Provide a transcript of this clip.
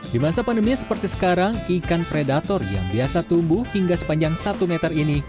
di masa pandemi seperti sekarang ikan predator yang biasa tumbuh hingga sepanjang satu meter ini